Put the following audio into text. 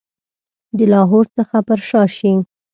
د لاهور څخه پر شا شي.